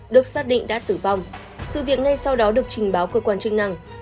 được xác định đã tử vong sự việc ngay sau đó được trình báo cơ quan chức năng